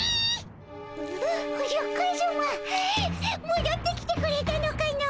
もどってきてくれたのかの！